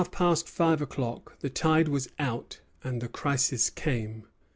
At half past five o'clock the tide was out, and the crisis came.